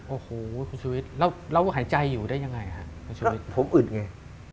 โอ้โหคุณชุวิตแล้วหายใจอยู่ได้ยังไงฮะคุณชุวิตผมอึดไง